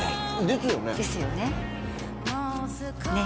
ですよね。ね？